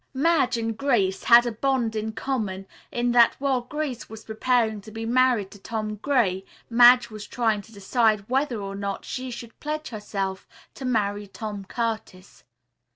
Madge and Grace had a bond in common in that while Grace was preparing to be married to Tom Gray, Madge was trying to decide whether or not she should pledge herself to marry Tom Curtis.